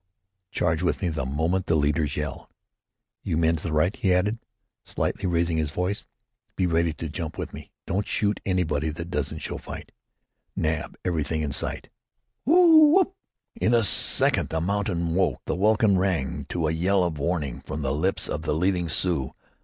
Charge with me the moment the leaders yell. You men to the right," he added, slightly raising his voice, "be ready to jump with me. Don't shoot anybody that doesn't show fight. Nab everything in sight." [Illustration: "CHARGE WITH ME THE MOMENT THE LEADERS YELL."] "Whoo oop!" All in a second the mountain woke, the welkin rang, to a yell of warning from the lips of the leading Sioux.